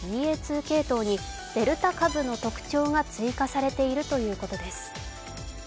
２系統にデルタ株の特徴が追加されているということです。